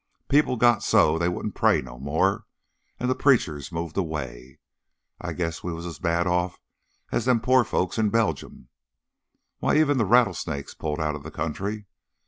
People got so they wouldn't pray no more, and the preachers moved away. I guess we was as bad off as them pore folks in Beljum. Why, even the rattlesnakes pulled out of the country!